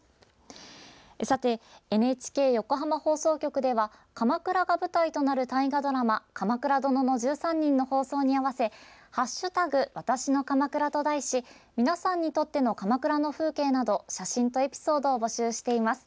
さて、ＮＨＫ横浜放送局では鎌倉が舞台となる大河ドラマ「鎌倉殿の１３人」の放送に合わせ「＃わたしの鎌倉」と題し皆さんにとっての鎌倉の風景など写真とエピソードを募集しています。